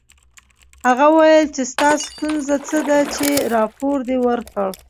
هغه وویل چې ستا ستونزه څه ده چې راپور دې ورکړ